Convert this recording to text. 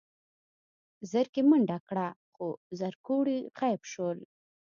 زرکې منډه کړه خو زرکوړي غيب شول.